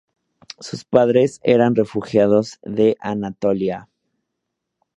Sus padres eran refugiados de Anatolia.